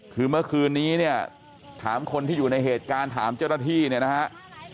คือเมื่อคืนนี้เนี่ยถามคนที่อยู่ในเหตุการณ์ถามเจ้าหน้าที่เนี่ยนะครับ